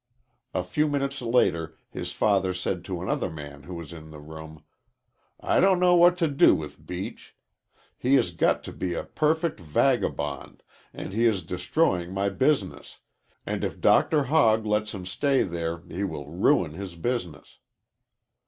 A few minutes later his father said to another man who was in the room: 'I don't know what to do with Beach. He has got to be a perfect vagabond, and he is destroying my business, and if Dr. Hogg let's him stay there he will ruin his business.'